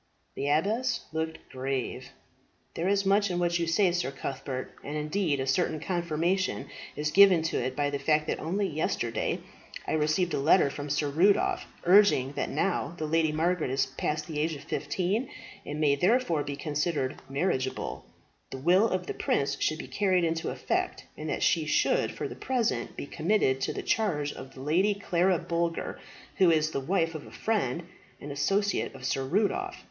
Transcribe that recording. The abbess looked grave. "There is much in what you say, Sir Cuthbert; and indeed a certain confirmation is given to it by the fact that only yesterday I received a letter from Sir Rudolph, urging that now the Lady Margaret is past the age of fifteen, and may therefore be considered marriageable, the will of the prince should be carried into effect, and that she should for the present be committed to the charge of the Lady Clara Boulger, who is the wife of a friend and associate of Sir Rudolph.